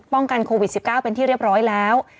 กันโควิด๑๙เป็นที่เรียบร้อยแล้ว